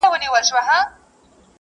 ناروغۍ مخکي له مخکي تشخیص کیدلای سي؟